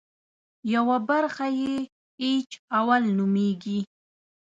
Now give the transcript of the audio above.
یوه برخه یې اېچ اول نومېږي.